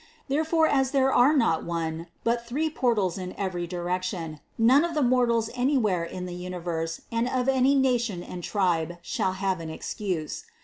Therefore as there are not one, but three portals in every direction, none of the mortals any where in the universe and of any nation and tribe shall have an excuse.